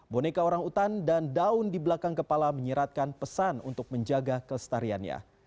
boneka orang utan dan daun di belakang kepala menyiratkan pesan untuk menjaga kelestariannya